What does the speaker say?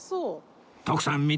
徳さん